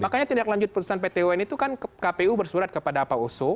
makanya tindak lanjut putusan pt un itu kan kpu bersurat kepada pak oso